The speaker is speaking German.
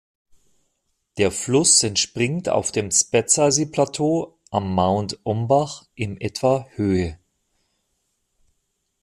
Der Fluss entspringt auf dem Spatsizi-Plateau am Mount Umbach in etwa Höhe.